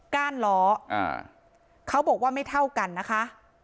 ก้านล้อเขาบอกว่าไม่เท่ากันนะคะ